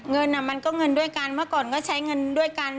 เงินมันก็เงินด้วยกันเมื่อก่อนก็ใช้เงินด้วยกัน